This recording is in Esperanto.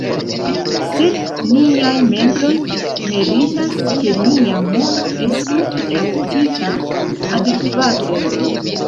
Sed niaj membroj meritas, ke nia mono estu traktita adekvate.